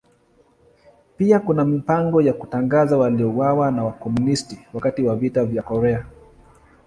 Pia kuna mipango ya kutangaza waliouawa na Wakomunisti wakati wa Vita vya Korea.